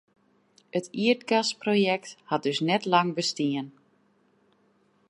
It ierdgasprojekt hat dus net lang bestien.